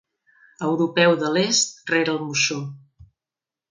Europeu de l'Est rere el moixó.